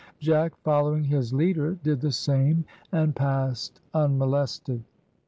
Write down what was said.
Jack, following his leader, did the same, and passed unmolested.